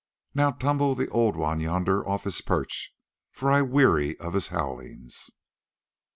Now tumble the old one yonder off his perch, for I weary of his howlings."